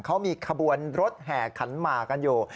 เขามีขบวนรถแห่ขันหมากกันอยู่